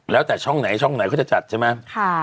แล้วแต่ช่องไหนช่องไหนเขาจะจัดใช่ไหม